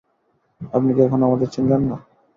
আপনি কি এখনো আমাদের চিনলেন না?